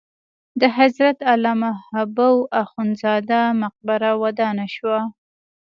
د حضرت علامه حبو اخند زاده مقبره ودانه شوه.